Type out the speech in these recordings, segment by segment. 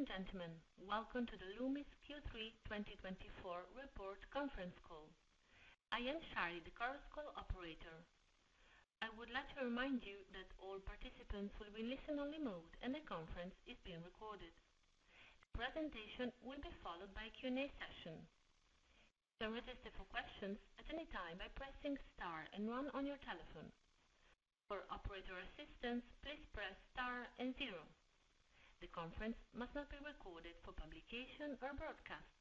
Ladies and gentlemen, welcome to the Loomis Q3 2024 Report Conference Call. I am Shari, the conference call operator. I would like to remind you that all participants will be in listen-only mode, and the conference is being recorded. The presentation will be followed by a Q&A session. You can register for questions at any time by pressing star and one on your telephone. For operator assistance, please press star and zero. The conference must not be recorded for publication or broadcast.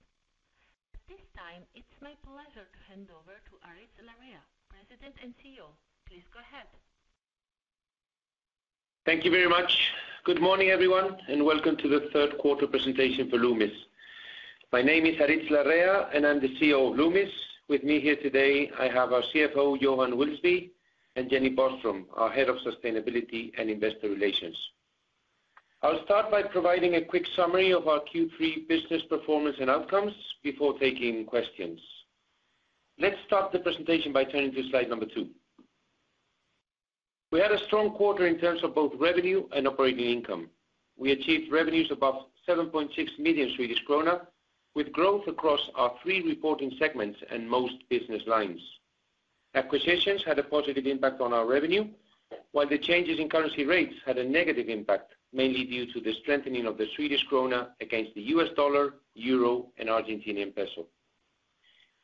At this time, it's my pleasure to hand over to Aritz Larrea, President and CEO. Please go ahead. Thank you very much. Good morning, everyone, and welcome to the Q3 presentation for Loomis. My name is Aritz Larrea, and I'm the CEO of Loomis. With me here today, I have our CFO, Johan Wilsby, and Jenny Boström, our Head of Sustainability and Investor Relations. I'll start by providing a quick summary of our Q3 business performance and outcomes before taking questions. Let's start the presentation by turning to slide number two. We had a strong quarter in terms of both revenue and operating income. We achieved revenues above 7.6 million Swedish krona, with growth across our three reporting segments and most business lines. Acquisitions had a positive impact on our revenue, while the changes in currency rates had a negative impact, mainly due to the strengthening of the Swedish krona against the US dollar, euro, and Argentinian peso.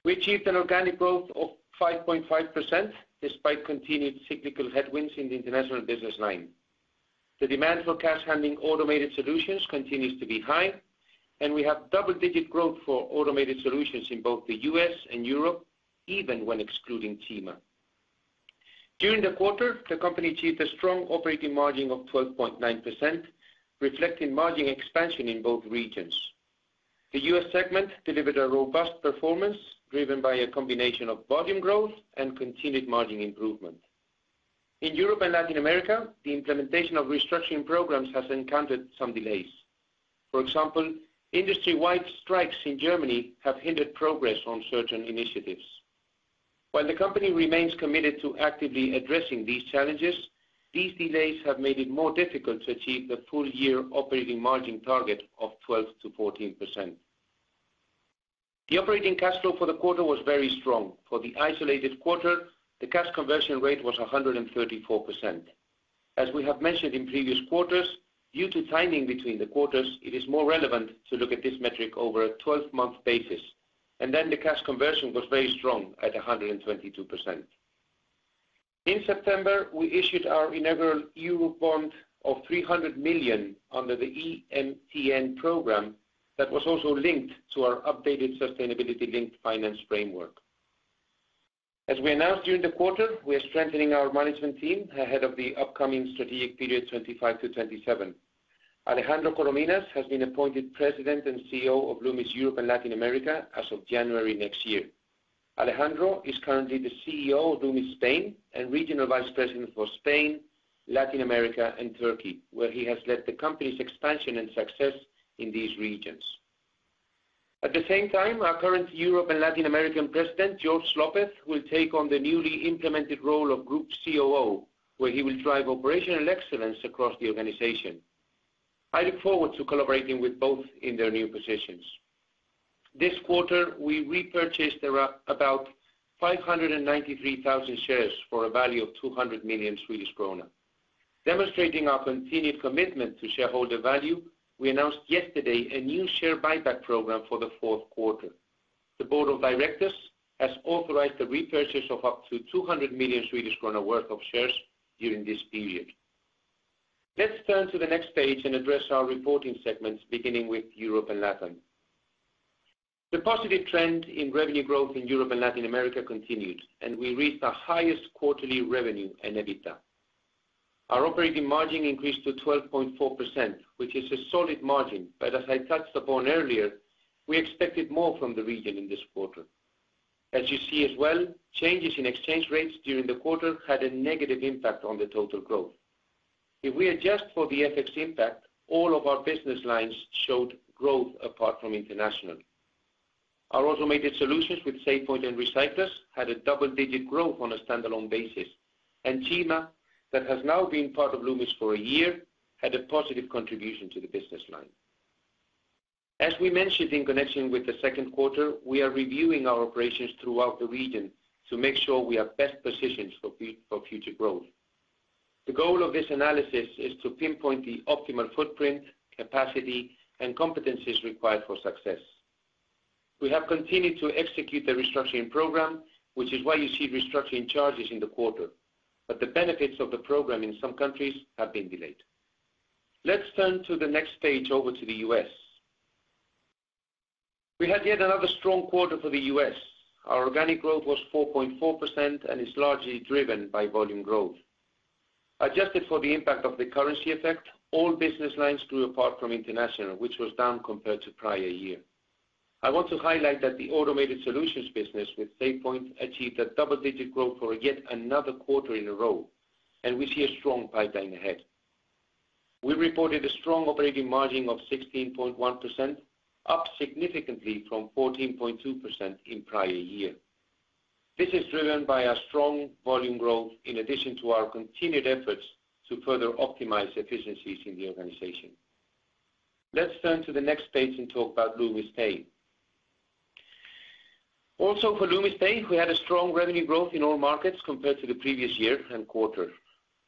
We achieved an organic growth of 5.5%, despite continued cyclical headwinds in the international business line. The demand for cash handling automated solutions continues to be high, and we have double-digit growth for automated solutions in both the U.S. and Europe, even when excluding Cima. During the quarter, the company achieved a strong operating margin of 12.9%, reflecting margin expansion in both regions. The U.S. segment delivered a robust performance, driven by a combination of volume growth and continued margin improvement. In Europe and Latin America, the implementation of restructuring programs has encountered some delays. For example, industry-wide strikes in Germany have hindered progress on certain initiatives. While the company remains committed to actively addressing these challenges, these delays have made it more difficult to achieve the full year operating margin target of 12%-14%. The operating cash flow for the quarter was very strong. For the isolated quarter, the cash conversion rate was 134%. As we have mentioned in previous quarters, due to timing between the quarters, it is more relevant to look at this metric over a twelve-month basis, and then the cash conversion was very strong at 122%. In September, we issued our inaugural Eurobond of 300 million under the EMTN program that was also linked to our updated sustainability-linked finance framework. As we announced during the quarter, we are strengthening our management team ahead of the upcoming strategic period, 2025-2027. Alejandro Corominas has been appointed President and CEO of Loomis Europe and Latin America as of January next year. Alejandro is currently the CEO of Loomis Spain and Regional Vice President for Spain, Latin America, and Turkey, where he has led the company's expansion and success in these regions. At the same time, our current Europe and Latin America president, Georges López, will take on the newly implemented role of Group COO, where he will drive operational excellence across the organization. I look forward to collaborating with both in their new positions. This quarter, we repurchased around about 593,000 shares for a value of 200 million Swedish krona. Demonstrating our continued commitment to shareholder value, we announced yesterday a new share buyback program for the Q4. The board of directors has authorized the repurchase of up to 200 million Swedish kronor worth of shares during this period. Let's turn to the next page and address our reporting segments, beginning with Europe and Latin. The positive trend in revenue growth in Europe and Latin America continued, and we reached the highest quarterly revenue and EBITDA. Our operating margin increased to 12.4%, which is a solid margin, but as I touched upon earlier, we expected more from the region in this quarter. As you see as well, changes in exchange rates during the quarter had a negative impact on the total growth. If we adjust for the FX impact, all of our business lines showed growth apart from international. Our automated solutions with SafePoint and Recyclers had a double-digit growth on a standalone basis, and Cima, that has now been part of Loomis for a year, had a positive contribution to the business line. As we mentioned in connection with the Q2, we are reviewing our operations throughout the region to make sure we are best positioned for for future growth. The goal of this analysis is to pinpoint the optimal footprint, capacity, and competencies required for success. We have continued to execute the restructuring program, which is why you see restructuring charges in the quarter, but the benefits of the program in some countries have been delayed. Let's turn to the next page over to the U.S. We had yet another strong quarter for the U.S. Our organic growth was 4.4% and is largely driven by volume growth. Adjusted for the impact of the currency effect, all business lines grew apart from international, which was down compared to prior year. I want to highlight that the automated solutions business with SafePoint achieved a double-digit growth for yet another quarter in a row, and we see a strong pipeline ahead. We reported a strong operating margin of 16.1%, up significantly from 14.2% in prior year. This is driven by a strong volume growth, in addition to our continued efforts to further optimize efficiencies in the organization. Let's turn to the next page and talk about Loomis Pay. Also, for Loomis Pay, we had a strong revenue growth in all markets compared to the previous year and quarter.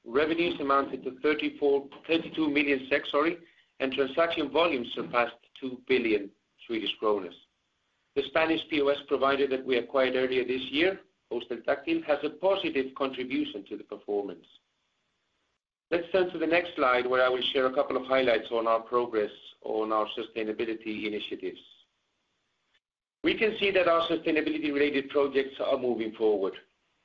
Revenues amounted to thirty-four-- 32 million SEK, sorry, and transaction volumes surpassed 2 billion Swedish kronor. The Spanish POS provider that we acquired earlier this year, Hosteltáctil, has a positive contribution to the performance. Let's turn to the next slide, where I will share a couple of highlights on our progress on our sustainability initiatives. We can see that our sustainability-related projects are moving forward.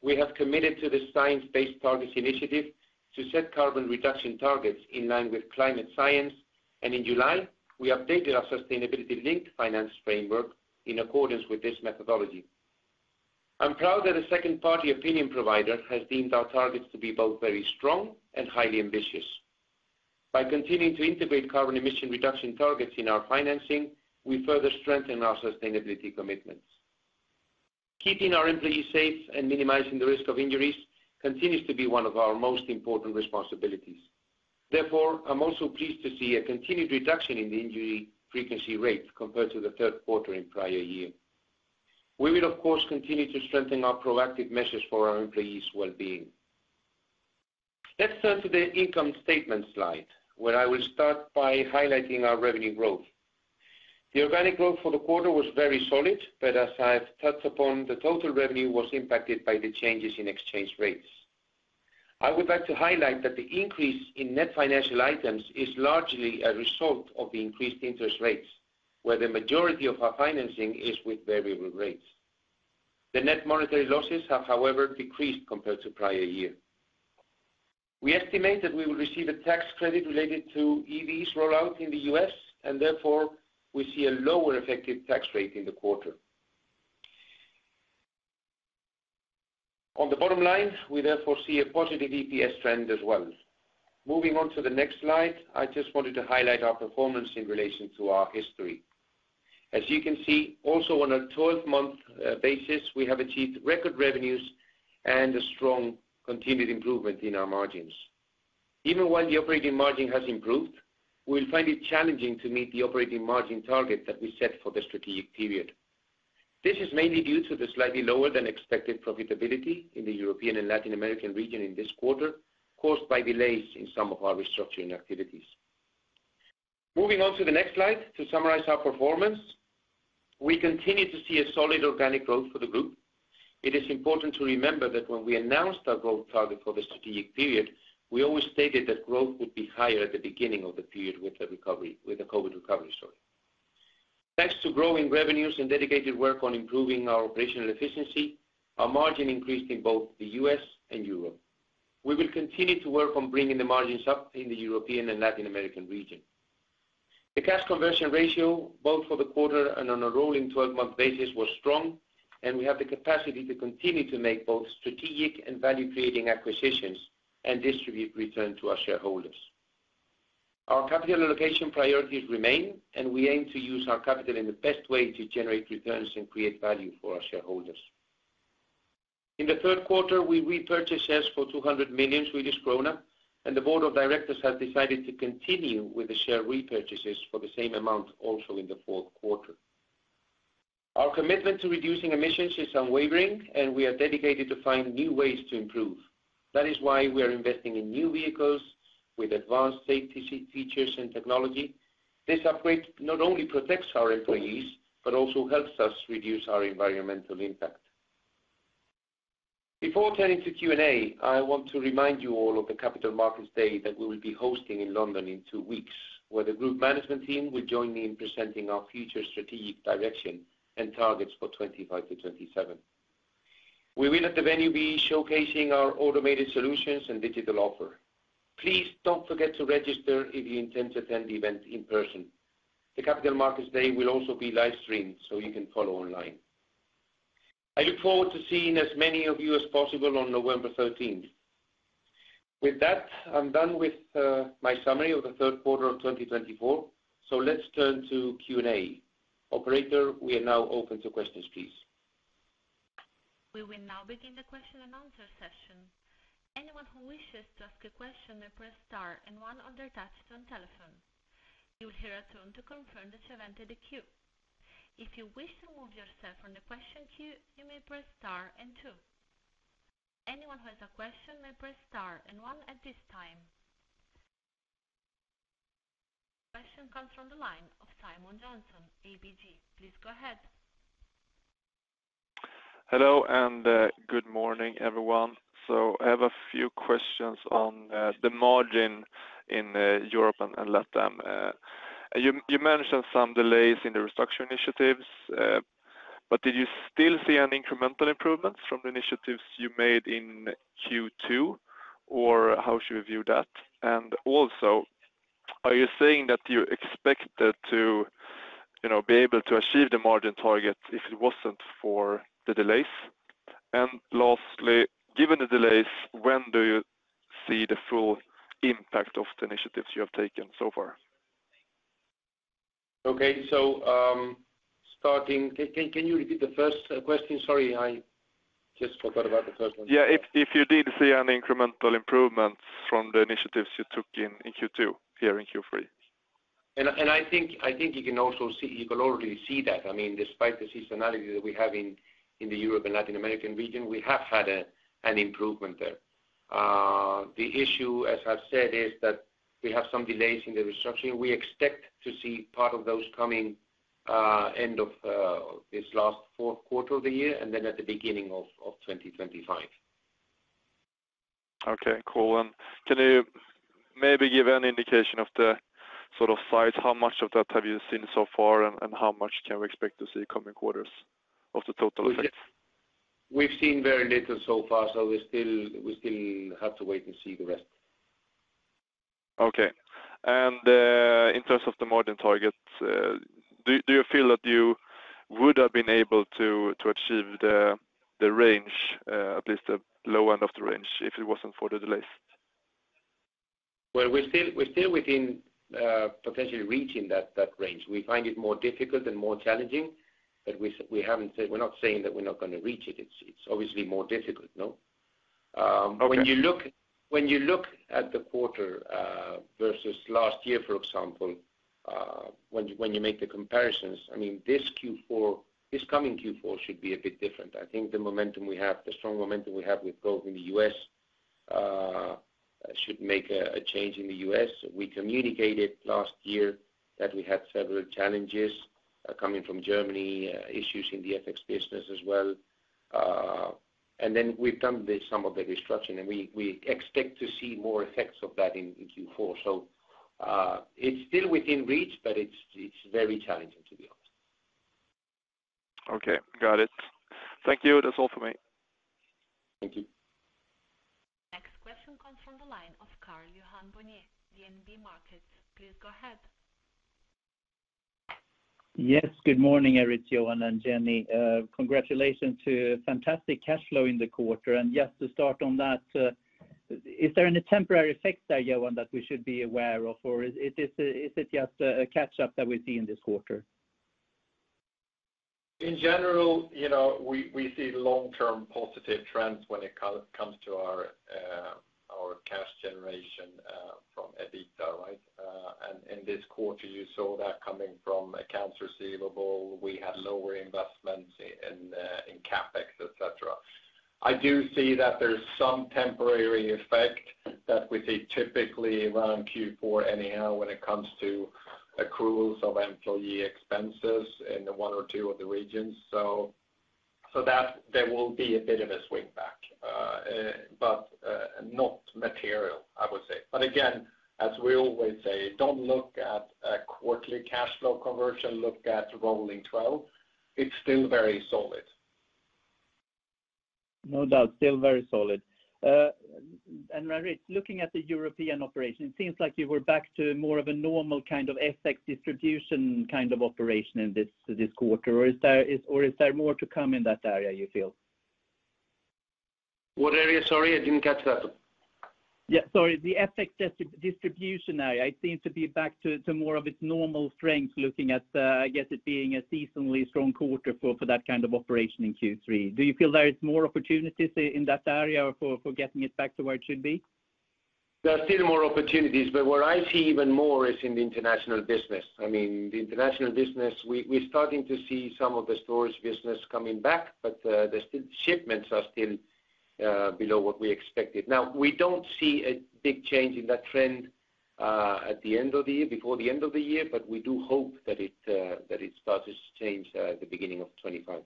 We have committed to the Science Based Targets initiative to set carbon reduction targets in line with climate science, and in July, we updated our sustainability-linked finance framework in accordance with this methodology. I'm proud that a second-party opinion provider has deemed our targets to be both very strong and highly ambitious. By continuing to integrate carbon emission reduction targets in our financing, we further strengthen our sustainability commitments. Keeping our employees safe and minimizing the risk of injuries continues to be one of our most important responsibilities. Therefore, I'm also pleased to see a continued reduction in the injury frequency rate compared to the Q3 in prior year. We will, of course, continue to strengthen our proactive measures for our employees' well-being. Let's turn to the income statement slide, where I will start by highlighting our revenue growth. The organic growth for the quarter was very solid, but as I've touched upon, the total revenue was impacted by the changes in exchange rates. I would like to highlight that the increase in net financial items is largely a result of the increased interest rates, where the majority of our financing is with variable rates. The net monetary losses have, however, decreased compared to prior year. We estimate that we will receive a tax credit related to EVs rollout in the U.S., and therefore, we see a lower effective tax rate in the quarter. On the bottom line, we therefore see a positive EPS trend as well. Moving on to the next slide, I just wanted to highlight our performance in relation to our history. As you can see, also on a twelve-month basis, we have achieved record revenues and a strong continued improvement in our margins. Even while the operating margin has improved, we'll find it challenging to meet the operating margin target that we set for the strategic period. This is mainly due to the slightly lower than expected profitability in the European and Latin American region in this quarter, caused by delays in some of our restructuring activities. Moving on to the next slide, to summarize our performance, we continue to see a solid organic growth for the group. It is important to remember that when we announced our growth target for the strategic period, we always stated that growth would be higher at the beginning of the period with the COVID recovery, sorry. Thanks to growing revenues and dedicated work on improving our operational efficiency, our margin increased in both the U.S. and Europe. We will continue to work on bringing the margins up in the European and Latin American region. The cash conversion ratio, both for the quarter and on a rolling twelve-month basis, was strong, and we have the capacity to continue to make both strategic and value-creating acquisitions and distribute return to our shareholders. Our capital allocation priorities remain, and we aim to use our capital in the best way to generate returns and create value for our shareholders. In the Q3, we repurchased shares for 200 million Swedish krona, and the board of directors has decided to continue with the share repurchases for the same amount also in the Q4. Our commitment to reducing emissions is unwavering, and we are dedicated to find new ways to improve. That is why we are investing in new vehicles with advanced safety features and technology. This upgrade not only protects our employees, but also helps us reduce our environmental impact. Before turning to Q&A, I want to remind you all of the Capital Markets Day that we will be hosting in London in two weeks, where the group management team will join me in presenting our future strategic direction and targets for 2025-2027. We will, at the venue, be showcasing our automated solutions and digital offer. Please don't forget to register if you intend to attend the event in person. The Capital Markets Day will also be live-streamed, so you can follow online. I look forward to seeing as many of you as possible on November thirteenth. With that, I'm done with my summary of the Q3 of twenty twenty-four. So let's turn to Q&A. Operator, we are now open to questions, please. We will now begin the question and answer session. Anyone who wishes to ask a question may press star and one on their touch-tone telephone. You will hear a tone to confirm that you entered the queue. If you wish to remove yourself from the question queue, you may press star and two. Anyone who has a question may press star and one at this time. Question comes from the line of Simon Jönsson, ABG. Please go ahead. Hello, and good morning, everyone, so I have a few questions on the margin in Europe and Latin. You mentioned some delays in the restructure initiatives, but did you still see an incremental improvement from the initiatives you made in Q2, or how should we view that? And also, are you saying that you expected to, you know, be able to achieve the margin target if it wasn't for the delays? And lastly, given the delays, when do you see the full impact of the initiatives you have taken so far?... Okay, so, starting, can you repeat the first question? Sorry, I just forgot about the first one. Yeah. If you did see an incremental improvement from the initiatives you took in Q2 here in Q3? I think you can also see that. You can already see that. I mean, despite the seasonality that we have in the Europe and Latin American region, we have had an improvement there. The issue, as I've said, is that we have some delays in the restructuring. We expect to see part of those coming end of this last Q4 of the year and then at the beginning of twenty twenty-five. Okay, cool, and can you maybe give an indication of the sort of size? How much of that have you seen so far, and how much can we expect to see coming quarters of the total effect? We've seen very little so far, so we still have to wait and see the rest. Okay. And in terms of the margin targets, do you feel that you would have been able to achieve the range, at least the low end of the range, if it wasn't for the delays? We're still within potentially reaching that range. We find it more difficult and more challenging, but we haven't said... We're not saying that we're not gonna reach it. It's obviously more difficult, no? Okay. When you look at the quarter versus last year, for example, when you make the comparisons, I mean, this Q4, this coming Q4 should be a bit different. I think the momentum we have, the strong momentum we have with growth in the US should make a change in the US. We communicated last year that we had several challenges coming from Germany, issues in the FX business as well. And then we've done some of the restructuring, and we expect to see more effects of that in Q4. So, it's still within reach, but it's very challenging, to be honest. Okay, got it. Thank you. That's all for me. Thank you. Next question comes from the line of Karl-Johan Bonnevier, DNB Markets. Please go ahead. Yes. Good morning, Johan and Jenny. Congratulations to fantastic cash flow in the quarter. And just to start on that, is there any temporary effects there, Johan, that we should be aware of? Or is it just a catch up that we see in this quarter? In general, you know, we see long-term positive trends when it comes to our cash generation from EBITDA, right? And in this quarter, you saw that coming from accounts receivable, we had lower investments in CapEx, et cetera. I do see that there's some temporary effect that we see typically around Q4 anyhow when it comes to accruals of employee expenses in the one or two of the regions. So that there will be a bit of a swing back, but not material, I would say. But again, as we always say, don't look at a quarterly cash flow conversion, look at rolling twelve. It's still very solid. No doubt, still very solid. And then it's looking at the European operation, it seems like you were back to more of a normal kind of FX distribution kind of operation in this quarter. Or is there more to come in that area, you feel? What area? Sorry, I didn't catch that. Yeah, sorry, the FX distribution area. It seems to be back to more of its normal strength, looking at, I guess, it being a seasonally strong quarter for that kind of operation in Q3. Do you feel there is more opportunities in that area for getting it back to where it should be? There are still more opportunities, but what I see even more is in the international business. I mean, the international business, we're starting to see some of the stores business coming back, but the still shipments are still below what we expected. Now, we don't see a big change in that trend at the end of the year, before the end of the year, but we do hope that it, that it starts to change at the beginning of 2025.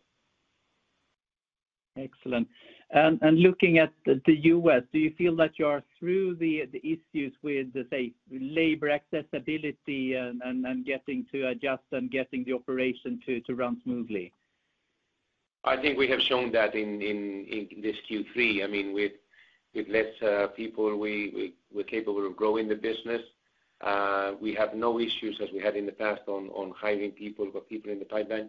Excellent. And looking at the U.S., do you feel that you are through the issues with, say, labor accessibility and getting to adjust and getting the operation to run smoothly? I think we have shown that in this Q3. I mean, with less people, we're capable of growing the business. We have no issues as we had in the past on hiring people. Got people in the pipeline.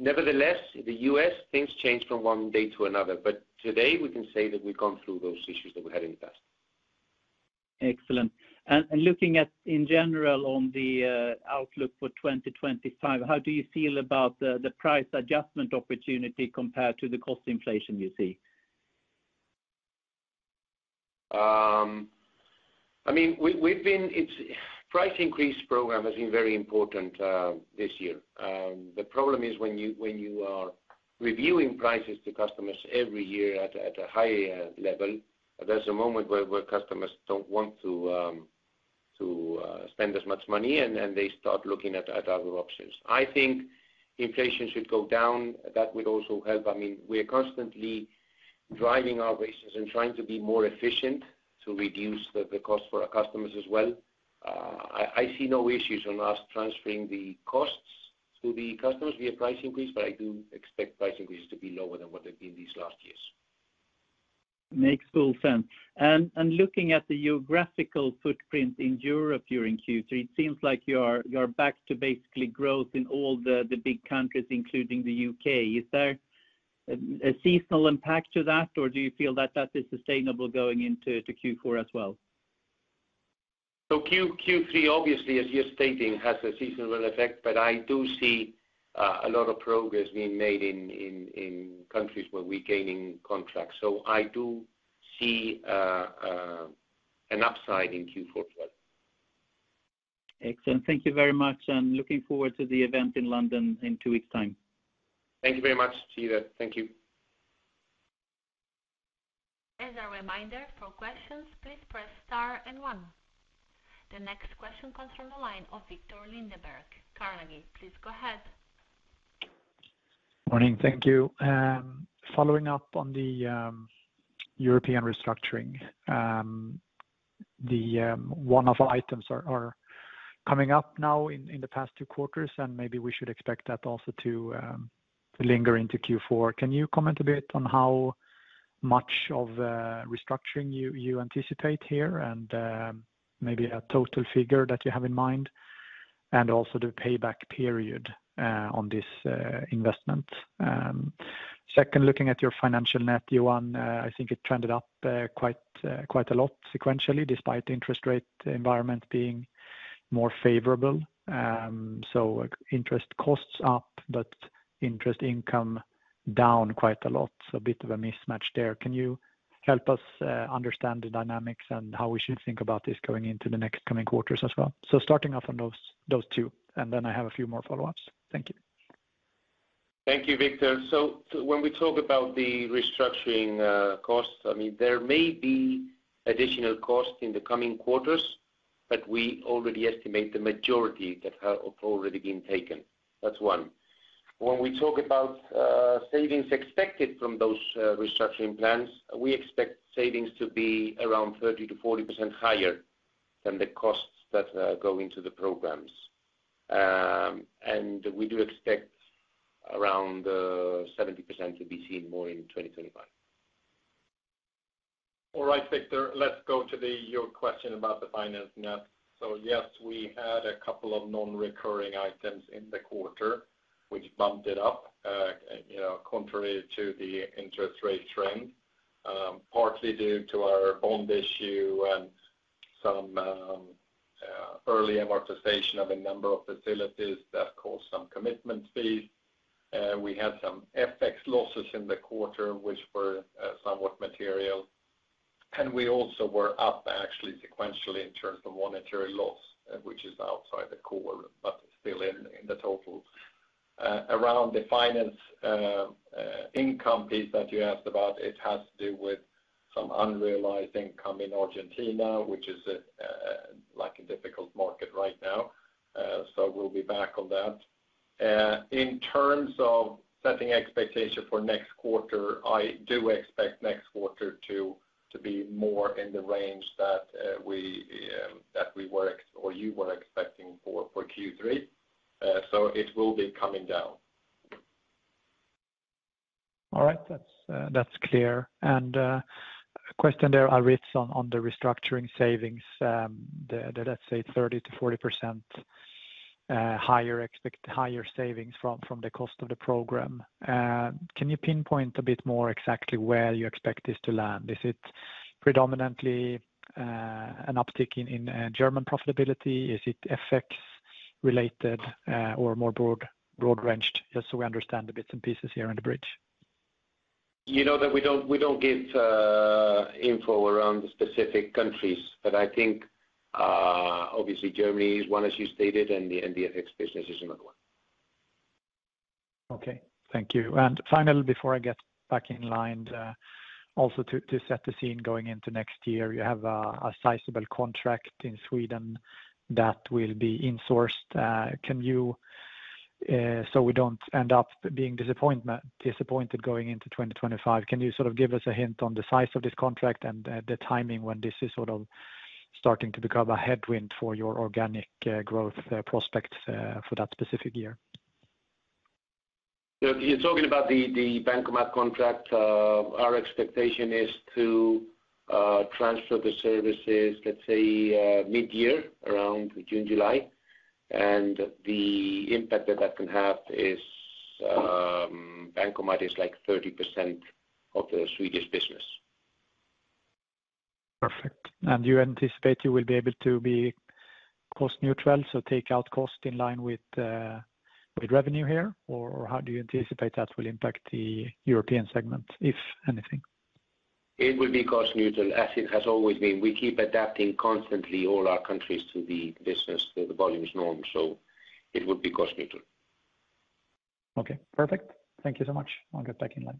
Nevertheless, in the U.S., things change from one day to another, but today we can say that we've gone through those issues that we had in the past. Excellent, and looking at in general on the outlook for 2025, how do you feel about the price adjustment opportunity compared to the cost inflation you see? I mean, price increase program has been very important this year. The problem is when you are reviewing prices to customers every year at a high level, there's a moment where customers don't want to spend as much money, and they start looking at other options. I think inflation should go down. That would also help. I mean, we're constantly driving our business and trying to be more efficient to reduce the cost for our customers as well. I see no issues on us transferring the costs to the customers via price increase, but I do expect price increases to be lower than what they've been these last years. Makes full sense, and looking at the geographical footprint in Europe during Q3, it seems like you are back to basically growth in all the big countries, including the UK. Is there a seasonal impact to that, or do you feel that that is sustainable going into Q4 as well?... So Q3, obviously, as you're stating, has a seasonal effect, but I do see a lot of progress being made in countries where we're gaining contracts. So I do see an upside in Q4 as well. Excellent. Thank you very much, and looking forward to the event in London in two weeks time. Thank you very much. See you there. Thank you. As a reminder, for questions, please press Star and One. The next question comes from the line of Viktor Lindeberg, Carnegie. Please go ahead. Morning. Thank you. Following up on the European restructuring, the one-off items are coming up now in the past two quarters, and maybe we should expect that also to linger into Q4. Can you comment a bit on how much of a restructuring you anticipate here, and maybe a total figure that you have in mind, and also the payback period on this investment? Second, looking at your financial net, Johan, I think it trended up quite a lot sequentially, despite the interest rate environment being more favorable. So interest costs up, but interest income down quite a lot, so a bit of a mismatch there. Can you help us understand the dynamics and how we should think about this going into the next coming quarters as well? So starting off on those, those two, and then I have a few more follow-ups. Thank you. Thank you, Viktor. So when we talk about the restructuring costs, I mean, there may be additional costs in the coming quarters, but we already estimate the majority that have already been taken. That's one. When we talk about savings expected from those restructuring plans, we expect savings to be around 30%-40% higher than the costs that go into the programs. And we do expect around 70% to be seen more in 2025. All right, Viktor, let's go to your question about the finance net. So, yes, we had a couple of non-recurring items in the quarter, which bumped it up, you know, contrary to the interest rate trend, partly due to our bond issue and some early amortization of a number of facilities that caused some commitment fees. We had some FX losses in the quarter, which were somewhat material. And we also were up, actually, sequentially in terms of monetary loss, which is outside the core, but still in the total. Around the finance income piece that you asked about, it has to do with some unrealized income in Argentina, which is a like a difficult market right now. So we'll be back on that. In terms of setting expectation for next quarter, I do expect next quarter to be more in the range that we were or you were expecting for Q3. So it will be coming down. All right. That's clear. And question there, Aritz, on the restructuring savings, the let's say 30%-40% higher expected higher savings from the cost of the program. Can you pinpoint a bit more exactly where you expect this to land? Is it predominantly an uptick in German profitability? Is it FX related, or more broad-ranged? Just so we understand the bits and pieces here in the bridge. You know that we don't give info around specific countries, but I think obviously, Germany is one, as you stated, and the FX business is another one. Okay. Thank you. And finally, before I get back in line, also to set the scene going into next year, you have a sizable contract in Sweden that will be insourced. Can you, so we don't end up being disappointed going into twenty twenty-five, can you sort of give us a hint on the size of this contract and the timing when this is sort of starting to become a headwind for your organic growth prospects for that specific year? You're talking about the Bankomat contract. Our expectation is to transfer the services, let's say, mid-year, around June, July. And the impact that that can have is, Bankomat is like 30% of the Swedish business. Perfect. And you anticipate you will be able to be cost neutral, so take out cost in line with, with revenue here? Or how do you anticipate that will impact the European segment, if anything? It will be cost neutral, as it has always been. We keep adapting constantly all our countries to the business, to the volumes norm, so it would be cost neutral. Okay, perfect. Thank you so much. I'll get back in line.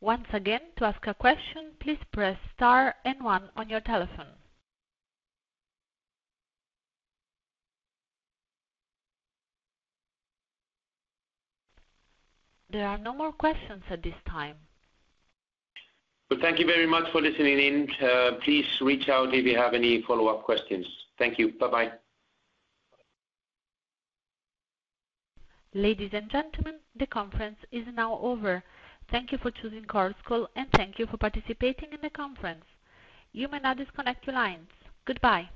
Once again, to ask a question, please press Star and One on your telephone. There are no more questions at this time. Thank you very much for listening in. Please reach out if you have any follow-up questions. Thank you. Bye-bye. Ladies and gentlemen, the conference is now over. Thank you for choosing Chorus Call, and thank you for participating in the conference. You may now disconnect your lines. Goodbye.